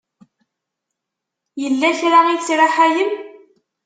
Yella kra i tesraḥayem?